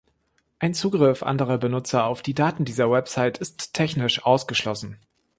Ein Zugriff anderer Benutzer auf die Daten dieser Website ist technisch ausgeschlossen.